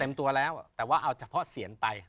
ตัวแล้วแต่ว่าเอาเฉพาะเสียนไป